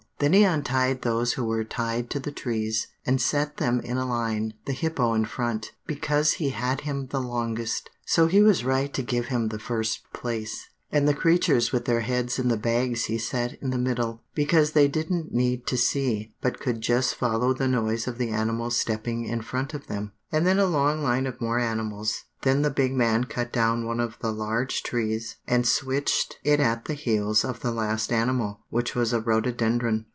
Then he untied those who were tied to the trees, and set them in a line, the hippo in front, because he had him the longest, so it was right to give him the first place, and the creatures with their heads in the bags he set in the middle, because they didn't need to see, but could just follow the noise of the animals stepping in front of them, and then a long line of more animals. Then the big man cut down one of the large trees and switched it at the heels of the last animal, which was a rhododendron."